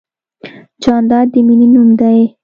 جانداد د مینې نوم دی.